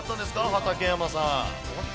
畠山さん。